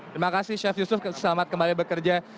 terima kasih chef yusuf selamat kembali bekerja